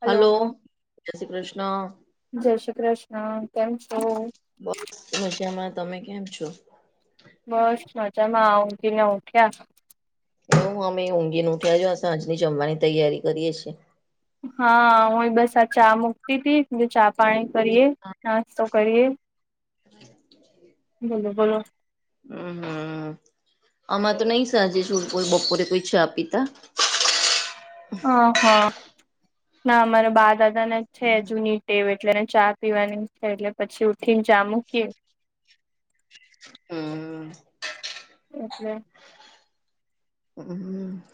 Hello hello જય શ્રી કૃષ્ણ જય શ્રી કૃષ્ણ કેમ છો? બસ મજામાં તમે કેમ છો? બસ મજામાં ઊંઘીને ઓઠ્યા. હ અમે ઊંઘીને ઉઠ્યાજ સાંજની જમવાની તૈયારી કરીએ છીએ. હા હુંએ બસ આ ચા મુકતી તી ચા પાણી કરીએ નાસ્તો કરીએ. [unintelligible] બોલો બોલો. હમ હમ આમાં તો નહી સાજે છ બપોરે કોઈ ચા પીતા. હ હા ના અમારા બા દાદાને છે જુની ટેવ એ ટલેને ચા પીવાની છે એટલે પછી ઉઠી ને ચા મૂકીએ. હમ એટલે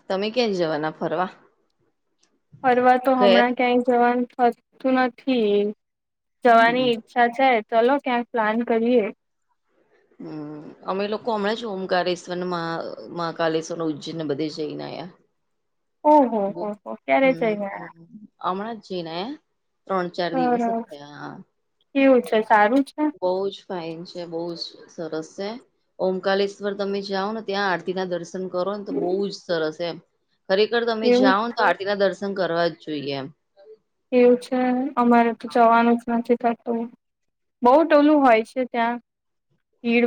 તમે ક્યાંરે જવાના ફરવા? ફરવા તો હમણાં ગયા ક્યાંય જવાનું થ તું નથી જવાની હમ ઈચ્છા છે ચલો ક્યાંક પ્લાન કરીએ. હમ અમે લોકો હમણાં જ ઓમકારેશ્વર ને મહા મહા કલેશવર ન ઉજ્જૈનને બધે જઈને આયા. [inaudible] ઓહ હો હો ક્યારે જઈ ને આયા. અમણા જઈને આયા. ત્રણ ચાર દિવસે આયા સરસ પેહા કેવું છે સારું છે બોજ ફઇન છે બહુ જ સરસ છે ઓમકલેશ્વર તમે જાઓ ને ત્યાં આરતી ના દર્શન કરો ને તો બહુ જ સરસ એમ ખરેખર તમે એવું જાઓને આરતી ના દર્શન કરવા જ જોઈએ એમ. એવું છે અમારે તો જવાનું જ નથી થતું. બઉ ટોલું હોય છે ત્યાં.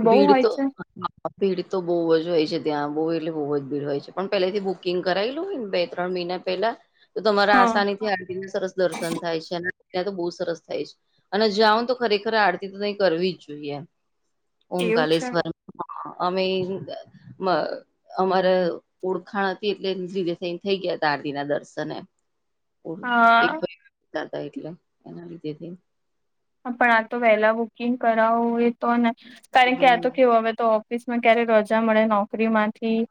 બહુ ભીડ હોય તો છે આ અ ભીડ તો બહુ જ હોય છે ત્યાં બહુ એટલે બહુ જ ભીડ હોય છે પણ પહેલાથી બુકિંગ કરાવેલું હોયને બે ત્રણ મહિના પેલા તો તમારા હા આસાની થી આરતી ની સરસ દર્શન થાય છે અને ત્યાં તો બહુ સરસ થાય છે. અને જાઉ તો ખરેખર આરતી તો તઈ કરવી જ જોઈએ. એવું છે ઓમકાલેશ્વર અમે દા માં અમારે ઓળખાણ હતી એટલે ધીરે થઈને થઈ ગયા હતા આરતી ના દર્શન એમ. ઓ એક હા [unintelligible] એટલે એના લીધે. હ પણ આ તો વહેલા બુકિંગ કરાવું એ તો ને કારણ કે આ તો કેવો હવે તો ઓફિસમાં ક્યારે રજા મળે નોકરીમાંથી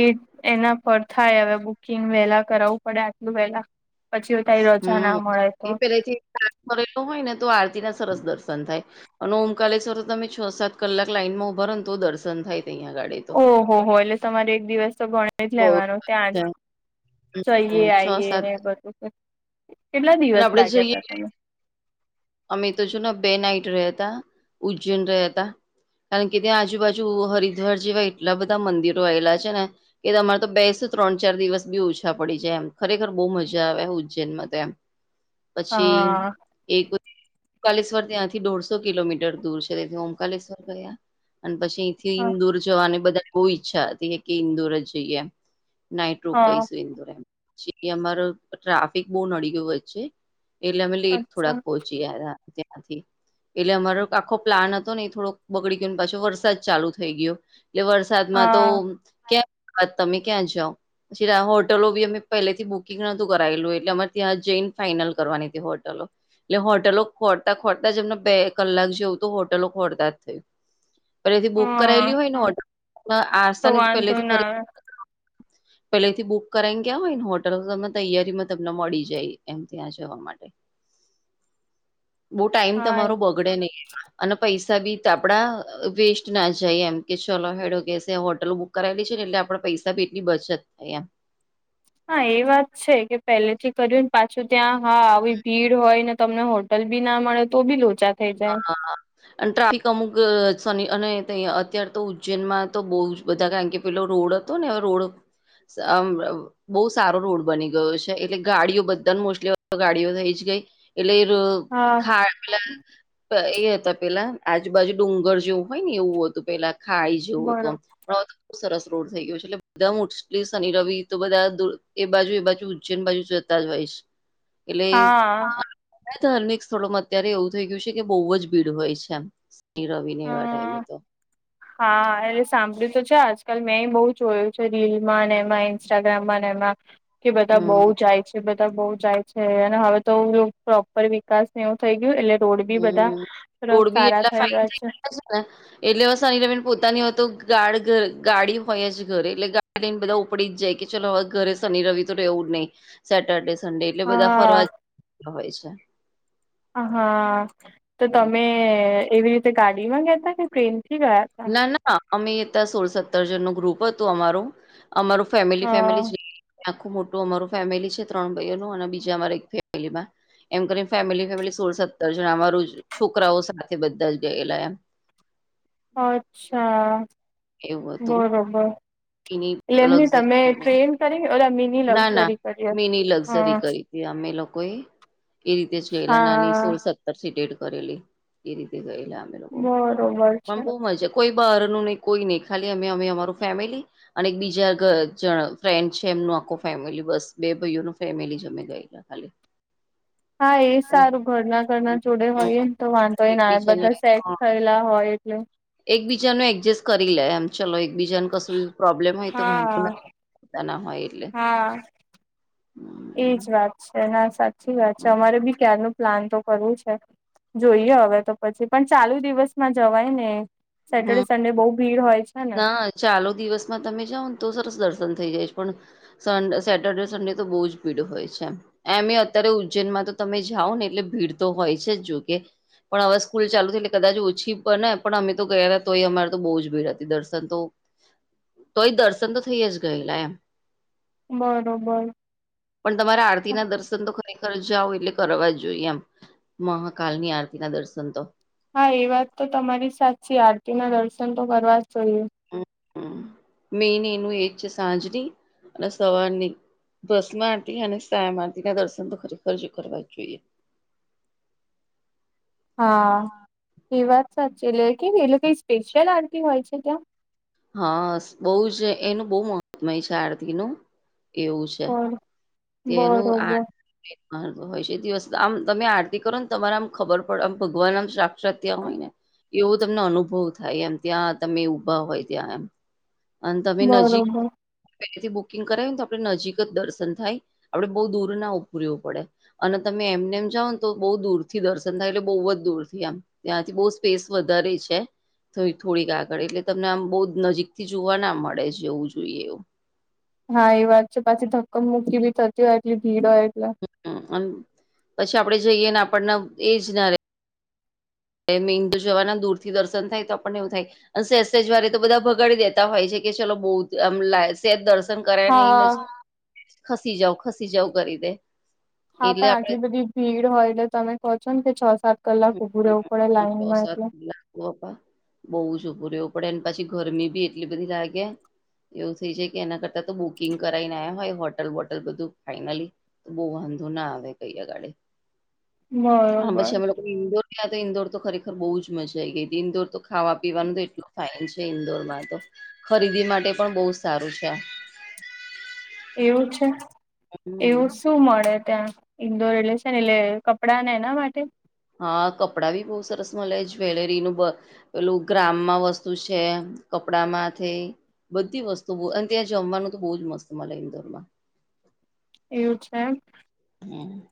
એ એના પર થાય હવે બુકિંગ વેલા કરાવવું પડે આટલું વેલા. પછી તઈ રજા ના મળે તો. પહેલે થી [unintelligible] કરેલું હોય ને તો આરતી ના સરસ દર્શન થાય. અને ઓમકાલેશ્વર તો તમે છ સાત કલાક લાઈનમાં ઉભા રહો ને તો દર્શન થાય તહીંયા આ ગાડી તો ઓહ હો હો એટલે તમારે એક દિવસ તો ગણી જ બહુ લેવાનો ત્યાં જ. જઈએ છ આઈએ સાત ને બધું કેટલા અને દિવસ આપડે લાગ્યા જઈએ ત તમે. અમે તો છું ને બે નાઈટ રહ્યા હતા ઉજ્જૈન રહયા તા. કારણ કે ત્યાં આજુબાજુ હરિદ્વાર જેવા એટલા બધા મંદિરો આવેલા છે ને. કે તમારે તો બેશો ત્રણ ચાર દિવસ બી ઓછા પડી જાય એમ ખરેખર બહુ મજા આવે ઉજ્જૈનમાં તો એમ. પછી હા એક ઓમકાલેશ્વર ત્યાંથી દોઢસો કિલોમીટર દૂર છે તેથી ઓમકાલેશ્વર ગયા. અને પછી અથી હા ઇન્દોર જવાની બધા બહુ ઈચ્છા હતી કે ઇન્દોર જ જઈએ. નાઈટ રોકાઈ હા શું ઇન્દોર એમ પછી અમારો ટ્રાફિક બહુ નડી ગયો વચ્ચે એટલે અમે લેટ થોડાક અચ્છા પહોંચી ર ત્યાંથી. એટલે અમારો આખો પ્લાન હતો ને એ થોડો બગડી ગયો ને પાછો વરસાદ ચાલુ થઈ ગયો. એટલે વરસાદમાં તો હા ક્યાં વાત તમે ક્યાં જાઓ. પછી હોટલો બી અમે પહેલેથી બુકિંગ નોતું કરેલું એટલે અમારે ત્યાં જઈને ફાઈનલ કરવાની હતી હોટલો. એટલે હોટલો ખોરતા ખોરતા જ એમને બે કલાક જેવું તો હોટલો ખોરતા જ થયું. પેલેથી બુક હા કરાયેલી હોય ને હોટલો તો આસાનીથી વાંધો પહેલેથી ના આવે કરી પેલેથી બુક કરાઈને ગયા હોય ને હોટલ તમે તૈયારીમાં તમને મળી જાય એમ ત્યાં જવા માટે. બો ટાઈમ તમારો હા બગડે નહીં એમાં. અને પૈસા બી આપડા વેસ્ટ ના જાય એમ કે ચલો હેડો કે છે હોટલ બુક કરાયેલી છે ને એટલે આપણા પૈસા ભી એટલી બચત થાય એમ. હા એ વાત છે કે પહેલે થી કર્યું પાછું ત્યાં હા આવી ભીડ હોય ને તમને હોટ હોટલ બી ના મળે તો બી લોચા થઈ હા જાય હા હા. અને ટ્રાફિક અમુક અને અત્યાર તો ઉજ્જૈનમાં તો બહુ જ બધા કારણ કે પેલો રોડ હતો ને હ રોડ સા આમ બહુ સારો રોડ બની ગયો છે એટલે ગાડીઓ બધા મોસ્ટલી ગાડીઓ થઈ જ ગઈ. એટલે એર હા ખા પેલા એ હતા પેલા આજુબાજુ ડુંગર જેવું હોય ને એવું હતું પેલા ખાઈ જેવું બરોબર હતું આમ [unintelligible] સરસ રોડ થઈ ગયો છે એટલે બધા ઉછલી શનિ રવિ તો બધા એ બાજુ એ બાજુ ઉજ્જૈન બાજુ જતા જ હોય છે. [inaudible] હા એટલે ધાર્મિક સ્થળોમાં અત્યારે એવું થઈ ગયું છે કે બહુ જ ભીડ હોય છે એમ. હા [unintelligible] હા એટલે સાંભળ્યું તો છે આજકાલ મેં બહુ જોયું. રીલમાં ને એમાં ઇન્સ્ટાગ્રામ માં એમાં કે બધા બહુ હમ જાય છે. બધા બહુ જાય છે અને હવે તો પ્રોપર વિકાસ એવું થઈ ગયું એટલે દોડ બી બધા હમ પ રોડ બી સારા એટલા થઈ ફાઈન ગયા છે. ને એટલેનીરબન પોતાની હોય તો ગાડર ગાડી હોય જ ઘર એટલે ને બધા ઉપડી જ જાય કે ચલો હવે ઘરે શનિ રવિ તો રહેવું જ નહી. સેટરડે સડે એટલે બધા હા ફરવા હોય છે. હા તો તમે એવી રીતે ગાડીમાં ગયાતા કે ટ્રેનથી ગયા? તા ના ના અમે તં સોળ સત્તર જન નો ગ્રુપ હતું અમારૂ અમારું ફેમિલી હા ફેમિલી આખું મોટું અમારું ફેમિલી છે ત્રણ ભાઈઓ નું અને બીજા અમારે એક ફેમિલીમાં એમ કરીને ફેમિલી ફેમિલી સોળ સત્તર જણ અમાર છોકરાઓ સાથે બધા જ ગયેલા એમ. અચ્છા એવું હતું બરોબર. એની એટલે એમની તમે લક્ઝરી ટ્રેન કરી એટલે મીની ના ના લક્ઝરી કરી હ મિની લક્ઝરી હા. કરી અમે લોકો એ એ રીતે જોયેલા નાની હા સોળ સ ેટ કરેલી એ રીતે ગયેલા અમે લોકો બરોબર પણ છે બહ મજા કોઈ બહાર નું નહી. કોઈ નહી ખાલી અમે અમે અમારું ફેમિલી અને એક બીજા જણ ફ્રેન્ડ છે એમનો આખો ફેમિલી બસ બે ભાઈઓનું ફેમિલી જ અમે ગયેલી ખાલી હા એ હમ સારું ઘરના ઘરના જોડે હોય ને તો વાંધો હોયને એકબીજાને બધા સેટ હા થયેલા હોય એટલે એકબીજાનું એડજસ્ટ કરીલે આમ ચાલ એકબીજાને કસ બી પ્રોબ્લેમ હોય તોં વાંધો હા ના પતા ના હોય એટલે હા હ એજ વાત છે ના સાચી વાત છે અમારે બી કલ ન પ્લાન તો કરવું છે જોઈએ હવે તો પછી પણ ચાલુ દિવસમાં જવાય ને. સેટરડે સંન્ડે બહુ ભીડ હોય છે ને. હા ચાલો દિવસમાં તમે જાઓ ને તો સરસ દર્શન થઇ જાયશ પણ સ સેટર્ડે સન્ડે તો બહુ જ પીડ હોય છે એમ. એમે અત્યારે ઉજ્જૈનમાં તો તમે જાઓ ને એટલે ભીડ તો હોય છે જ જોકે. પણ હવા સ્કૂલ ચાલુ છે એટલેદાચ ઓછી પણ ને પણ અમે તો ગયા હતા તોય અમા તો બહુ જ ભીડ હતી. દર્શન તો તોય દર્શન તો થઈ જ ગયેલા એમ. બરોબર. પણ તમારે આરતી ના દર્શન તો ખરેખર જઓ એટલે કરવા જ જોઈએ એમ. મહાકાલની આરતી ના દર્શન તો. હા એ વાત તો તમારી સાચી આરતી ના દર્શન તો કરવા જ જોઈએ. મેન એનું એજ છે સાંજની અને સવારની. દસમાંરતી અને સાયા આરતી ના દર્શન તો ખરી ફરજ કરવા જ જોઈએ. હા એ વાત સાચી એટલે કે એટલે કઈ સ્પેશિયલ આરટી હોય છે ત્યાં? હા બહુ જ એનું બહુ મહત્મય છે આરતીનું. એવું છે બર તેનું આ બરોબર હોય છે દિવસ આમ તમે આરતી કરો ને તમારા આમ ખબર પડે આમ ભગવાન આમ શા ત્ય હોય ને એવો તમને અનુભવ થાય એમ ત્યાં તમે ઊભા હોય ત્યાં એમ. અને તમે નજીક બરોબર પથી બુકિંગ કરાવી ને તો આપડણે નજીક જ દર્શન થાય આપડે બઉુ દૂર ના ઉભુ રેવું પડે. અને તમે એમને એમ જાઓ ને તો બહુ દૂર થી દર્શન થાય એટલે બહુ જ દૂર થી આમ ત્યાંથી બહુ સ્પેસ વધારે છે થોડીક આગળ એટલે તમને આમ બહુ નજીક થી જોવા ના મળે છેવું જોઈએ એવું. હા એ વાત છે પાછી ધક્કમ મુૂકી ભી થતી હોય એટલી ભીડ હોય એટલે. પછી આપડે જઈએ ને આપણને એજ ના રહે. એ મેંદુ જવાના દૂરથીર્ન થાય તો આપણને એવું થાય સેજ સેજ વારે તો બધા ભગાડી દેતા હોય છે કે ચલો બહુ આમ લાઈન સે દર્શન દર્શન કરાય ને હા એઈને જ ખસી જાવ ખસી જાવું કરી દે. હા એટલે પણ આપડે આટલી બધી ભીડ હોય એટલે તમે કહો છો ને કે છ સાત કલાક ઉભું રહેવું પડે લાઈનમાં એટલલે. બપા બહુ છોપું રવું પડે એને પછી ગરમી બી એટલી બધી લાગે. એવું થઈ જાય કે એના કરતાં તો બુકિંગ કરાવને આવ્યા હોય હોટલ બોટલ બધું ફાઈનલી. બહુ વાંધો ના આવે કઈગાળે. હા બરોબર પછી અમે લોકો ઇન્ડોર ગયા ઇન્ડોર તો ખરેખર બહુ જ મજા આઈ ગઈ હતી ઇન્ડોર તો ખાવા પીવાનું તો એટલ ફાઇન છે ઇન્દોરમાં તો ખરીદી માટે પણ બહુ સારું છે આ એવું છે હમ એવું શું મળે ત્યાં. ઇન્ડોર રિલેશન એટલે કપડા ને એના માટે હા કપડા બહુ સરસ મળે જ્વેલરીનું બ. પેલું ગ્રામમાં વસ્તુ છે કપડામાંથી બધી વસ્તુ અને ત્યાં જમવાનું તો બહુ જ મસ્ત મલે ઇન્દોરમાં. એવું છે એમ. હમ [inaudible] [unintelligible] [inaudible]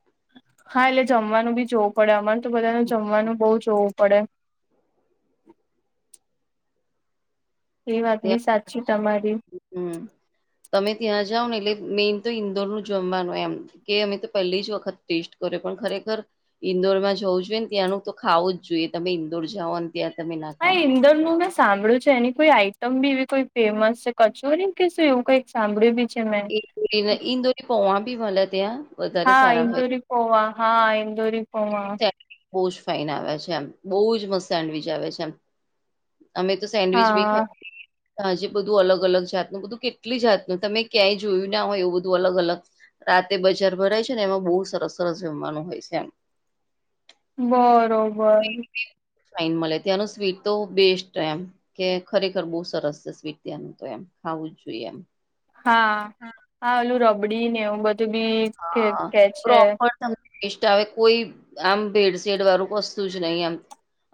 હા એટલે જમવાનું બી જોવું પડે અમારે તો બધાને જમવાનું બહુ જોવું પડે. એ વાત બી ત્યાં સાચી તમારી હમ તમે ત્યાં જાવ ને એટલે મેઈન તો ઇન્દોર નું જમવાનું એમ કે અમે તો પહેલી જ વખત ટેસ્ટ કર્યો પણ ખરેખર ઈન્દોર માં જવું જોઈએ ને ત્યાંનું તો ખાવું જ જોઈએ તમે ઈન્દોર જાઓ ક્યા તમે ના હા ખાવ ઇંદોરનું મે સાંભળ્યું છે એની કોઈ આઈટમ બી એવી કોઈ ફેમસ છે કચોરી કે શું એવું કઈક સાંભળ્યું બી છે મે ઇન ઇન્દોર ની પોવા ભી મલે ત્યાં વધારે હા સારા હોય ઇન્દોરી પોવા હા ઇન્દોરી પોવા. સેન્ડવીચ બહુ જ ફાઈન આવે છે એમ બહુજ મસ્ત સેન્ડવીચ આવે છે એમ અમે તો સેન્ડવીચ બી ખાઈ હા આજે બધું અલગ અલગ જાતનું બધું કેટલી જાતનું તમે ક્યાંય જોયું ના હોય એવું બધું અલગ અલગ રાતે બજાર ભરાય છે ને એમાં બહુ સરસ સરસ જમવાનું હોય છે એમ બરોબર ફાઇન મળે ત્યાંનું સ્વીટ તો બેસ્ટ એમ કે ખરેખર બહુ સરસ છે સ્વીટ ત્યાંનું તો એમ ખાવું જ જોઈએ એમ હા હા ઓલું રબડી ને એવું બધું બી કે હા કે છે પ્રોપર સ્વાદિષ્ટ આવે કોઈ આમ ભેળસેળ વાળું વસ્તુ જ નહી આમ.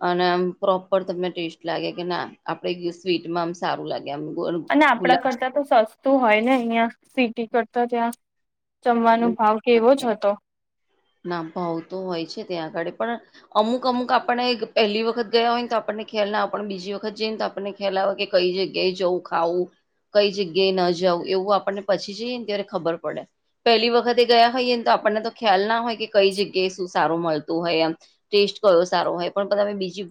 અને આમ પ્રોપર તમને ટેસ્ટ લાગે કે ના આપડે સ્વીટમાં આમ સારું લાગે [inaudible] [unintelligible] [inaudible] અને આપણા કરતા તો સસ. સસ્તુ હોય ને અહિયાં સિટી કરતા ત્યાં જમવાનો ભાવ કેવો જ હતો ના ભાવ તો હોય છે ત્યાં આગળ પણ અમુક અમુક આપણને પહેલી વખત ગયા હોય ને તો આપણને ખ્યાલ ના પણ બીજી વખત જઈએને આપણને ખ્યાલ આવે કે કઈ જગ્યાએ જવું ખાવું. કઈ જગ્યાએ ન જવું એવું આપણને પછી જઈએ ને ત્યારે ખબર પડે. પહેલી વખતે ગયા હોઈએને તો આપણને તો ખ્યાલ ના હોય કે કઈ જગ્યાએ શું સારું મળતું હોય એમ. ટેસ્ટ કયો સારો હોય પણ તમે બીજી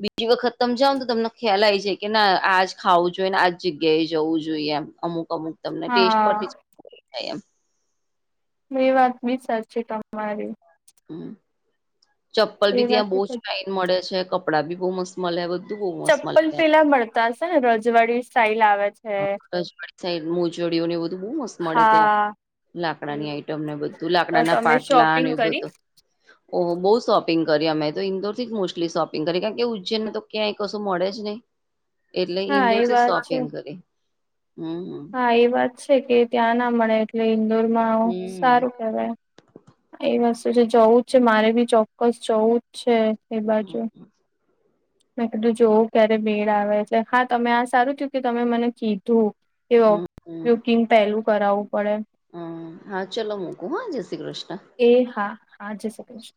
બીજી વખત તમ જાવ ને તો તમને ખ્યાલ આવી જાય કે ના આજ ખાવું જોઈએ ને આજ જગ્યાએ જવું જોઈએ એમ. અમુક અમુક તમને ટેસ્ટ પરથી હા જ ખબર પડે એમ એ વાત બી સાચી છે તમારી હ ચપ્પલ એ ભી વાત ત્યાં તો બહુ છે. જ ફાઇન મળે છે કપડાં ભી બહુ મસ્ત મલે બધું બહુ મસ્ત મલે ત્યાં સે ને રજવાડી સ્ટાઇલ આવે છે. [unintelligible] સાઈડ મોજડીઓ ને બધું બહુ મસ્ત મળે ત્યાં હા. લાકડાની એવું આઈટમ ને બધું તો લાકડાના તમે પાટલા શોપિંગ એ કરી? બધુ ઓહો બહુ શોપિંગ કરી અમે તો ઇન્દોરથી જ મોસ્ટલી શોપિંગ કરીએ કારણ કે ઉજ્જૈનને તો ક્યાંય કશું મળેજ નહી. એટલે હા એ ઇન્દોરથી વાત છે. શોપિંગ કરીએ. હમ હા એ વાત છે કે ત્યાં ના મળે એટલે ઈન્દોર માં હમ સારું હમ કેહેવાય. એ વસ્તુ છે જવું જ છે મારે બી ચોક્કસ જવું જ છે. એ બાજુ. હમ મેં કીધું જોવ ક્યારે મેડ આવે એટલે હા તમે આ સારું થયું કે તમે મને કીધું. કે હમ હમ બુકિંગ પેલું કરાવવું પડે? હમ હા ચલો મુકુ હા જય શ્રી કૃષ્ણ.. જય શ્રી કૃષ્ણ.